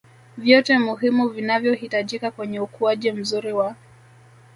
vyote muhimu vinavyohitajika kwenye ukuaji mzuri wa